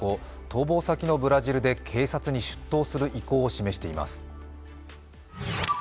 逃亡先のブラジルで警察に出頭する意向を示しています。